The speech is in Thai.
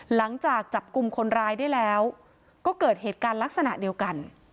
หลังจากจับกลุ่มคนร้ายได้แล้วก็เกิดเหตุการณ์ลักษณะเดียวกัน